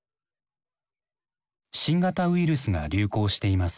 「新型ウイルスが流行しています。